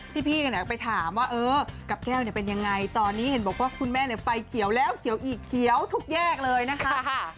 พี่ไปถามว่าเออกับแก้วเนี่ยเป็นยังไงตอนนี้เห็นบอกว่าคุณแม่ไฟเขียวแล้วเขียวอีกเขียวทุกแยกเลยนะคะ